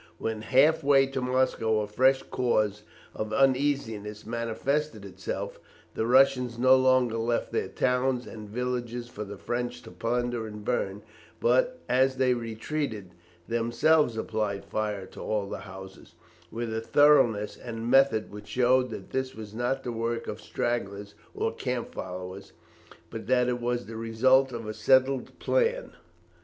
When half way to Moscow a fresh cause of uneasiness manifested itself. The Russians no longer left their towns and villages for the French to plunder and burn, but, as they retreated, themselves applied fire to all the houses, with a thoroughness and method which showed that this was not the work of stragglers or camp followers, but that it was the result of a settled plan.